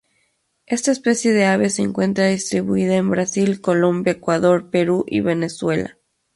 Esta especie de ave se encuentra distribuida en Brasil, Colombia, Ecuador, Perú y Venezuela.